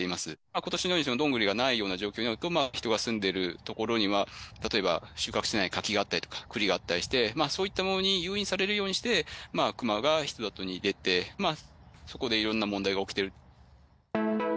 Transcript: ことしのようにドングリがないような状況になると、人が住んでいる所には、例えば収穫してない柿があったりとか、栗があったりして、そういったものに誘引されるようにして、クマが人里に出て、そこでいろんな問題が起きている。